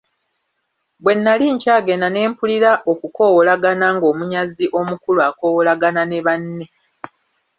Bwe nali nkyagenda ne mpulira okukoowoolagana ng'omunyazi omukulu akoowoolagana ne banne.